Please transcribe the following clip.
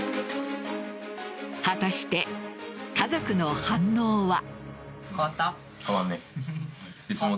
果たして家族の反応は。